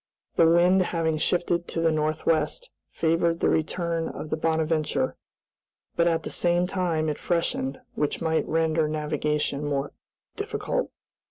The wind having shifted to the northwest favored the return of the "Bonadventure," but at the same time it freshened, which might render navigation more difficult.